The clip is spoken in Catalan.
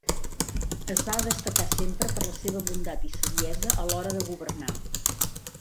Es va destacar sempre per la seva bondat i saviesa a l'hora de governar.